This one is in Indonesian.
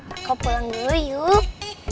aku pulang dulu yuk